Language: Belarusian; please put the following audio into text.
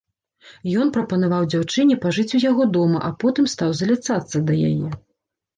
Ён прапанаваў дзяўчыне пажыць у яго дома, а потым стаў заляцацца да яе.